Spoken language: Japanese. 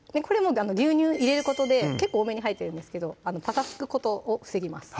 牛乳入れることで結構多めに入ってるんですけどパサつくことを防ぎます